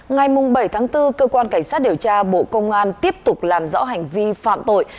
ngày bảy tháng bốn cơ quan cảnh sát điều tra bộ công an tiếp tục làm rõ hành vi phạm tội